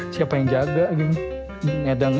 siapa yang jaga gitu